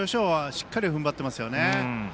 しっかり、ふんばっていますよね。